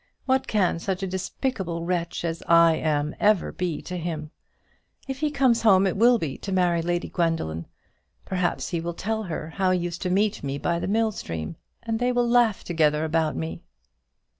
"What can such a despicable wretch as I am ever be to him? If he comes home it will be to marry Lady Gwendoline. Perhaps he will tell her how he used to meet me by the mill stream, and they will laugh together about me."